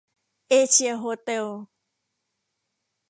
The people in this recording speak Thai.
เอเชียโฮเต็ล